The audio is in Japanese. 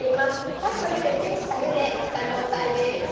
さっとゆでて下ゆでした状態です。